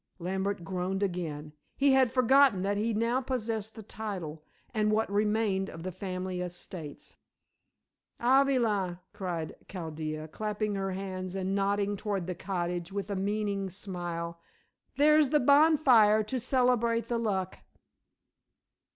Lambert groaned again. He had forgotten that he now possessed the title and what remained of the family estates. "Avali!" cried Chaldea, clapping her hands and nodding toward the cottage with a meaning smile, "there's the bonfire to celebrate the luck."